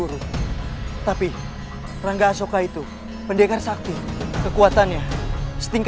untuk benar bert featuring